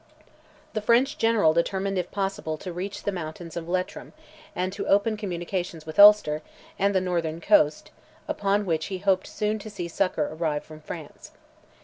The French general determined if possible to reach the mountains of Leitrim, and open communications with Ulster, and the northern coast, upon which he hoped soon to see succour arrive from France.